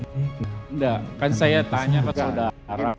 tidak kan saya tanya ke saudara